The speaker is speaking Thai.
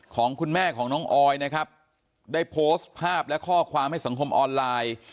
ของคุณแม่ของน้องออยนะครับได้โพสต์ภาพและข้อความให้สังคมออนไลน์